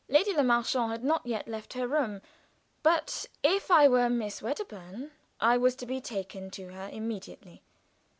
Lady Le Marchant had not yet left her room, but if I were Miss Wedderburn I was to be taken to her immediately.